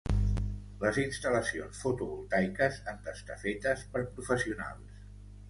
Les instal·lacions fotovoltaiques han d'estar fetes per professionals